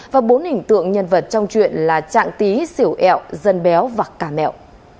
và bốn hình tượng nhân vật trong truyện là trạng tý xỉu eo dân béo và cả mẹo